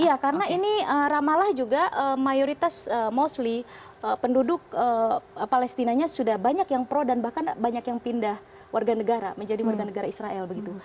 iya karena ini ramalah juga mayoritas mostly penduduk palestinanya sudah banyak yang pro dan bahkan banyak yang pindah warga negara menjadi warga negara israel begitu